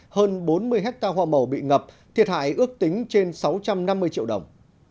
hơn bốn mươi hectare hoa màu bị ngập thiệt hại ước tính trên sáu trăm năm mươi triệu đồng